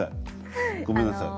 ごめんなさい。